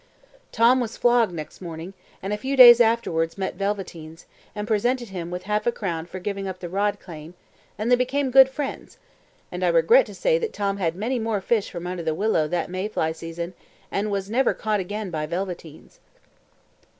Tom was flogged next morning, and a few days afterwards met Velveteens, and presented him with half a crown for giving up the rod claim, and they became sworn friends; and I regret to say that Tom had many more fish from under the willow that May fly season, and was never caught again by Velveteens.